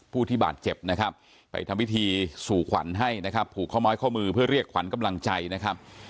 ผู้ที่บาดเจ็บนะครับไปทำพิธีสู่ขวัญให้นะครับผูกข้อม้อยข้อมือเพื่อเรียกขวัญกำลังใจนะครับ